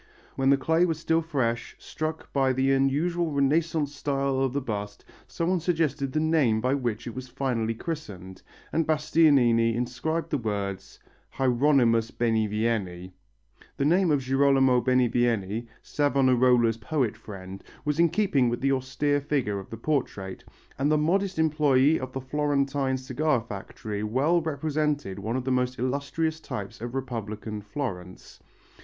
When the clay was still fresh, struck by the unusual Renaissance style of the bust, someone suggested the name by which it was finally christened, and Bastianini inscribed the words: HIER^{MUS} BENIVIENI. The name of Girolamo Benivieni, Savonarola's poet friend, was in keeping with the austere features of the portrait, and the modest employé of the Florentine cigar factory well represented one of the most illustrious types of Republican Florence.